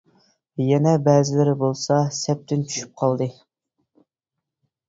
يەنە بەزىلىرى بولسا سەپتىن چۈشۈپ قالدى.